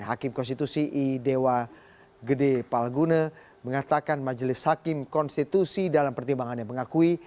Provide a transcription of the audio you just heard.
hakim konstitusi idewa gede palgune mengatakan majelis hakim konstitusi dalam pertimbangan yang mengakui